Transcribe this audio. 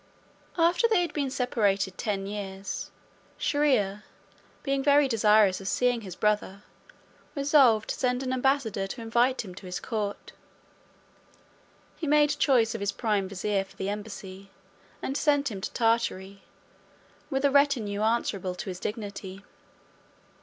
After they had been separated ten years, Shier ear, being very desirous of seeing his brother, resolved to send an ambassador to invite him to his court. He made choice of his prime vizier for the embassy, and sent him to Tartary, with a retinue answerable to his dignity.